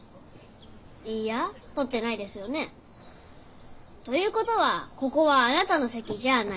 いいやとってないですよね！ということはここはあなたの席じゃあない。